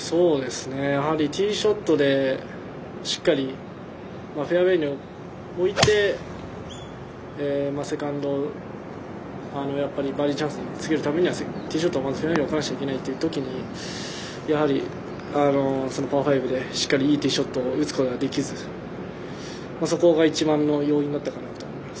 ティーショットでしっかりフェアウエーに置いてバーディーチャンスにつけるためにはティーショットをまずフェアウエーに置かなくちゃいけないっていうときにやはり、パー５でしっかりいいティーショットを打つことができずそこが一番の要因だったかなと思います。